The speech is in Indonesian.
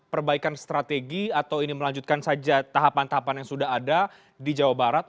perbaikan strategi atau ini melanjutkan saja tahapan tahapan yang sudah ada di jawa barat